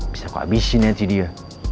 bisa aku abisin aja dia